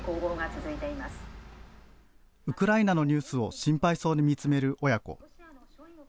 ウクライナのニュースを心配そうに見つめる親子。